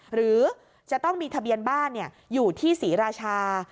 หรือจะต้องมีทะเบียนบ้านอยู่ที่ศรีราชา